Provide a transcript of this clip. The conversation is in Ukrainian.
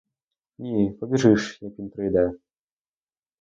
Ні, побіжиш, як він прийде.